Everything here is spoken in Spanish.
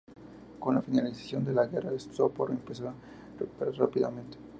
Con la finalización de la guerra, Sopot empezó a recuperarse rápidamente.